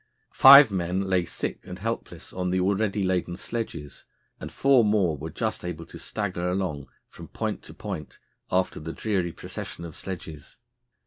Five men lay sick and helpless on the already laden sledges, and four more were just able to stagger along from point to point after the dreary procession of sledges.